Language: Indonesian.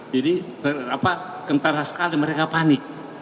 jadi kencang sekali mereka panik